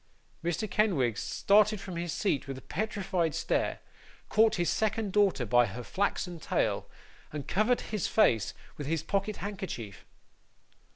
Mr. Kenwigs started from his seat with a petrified stare, caught his second daughter by her flaxen tail, and covered his face with his pocket handkerchief.